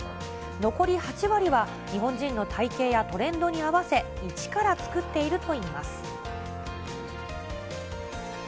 残り８割は、日本人の体形やトレンドに合わせ、一から作っているといいます。